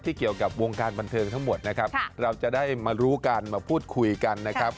เกี่ยวกับวงการบันเทิงทั้งหมดนะครับเราจะได้มารู้กันมาพูดคุยกันนะครับ